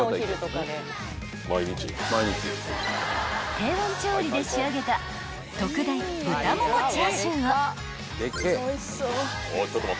［低温調理で仕上げた特大豚ももチャーシューを］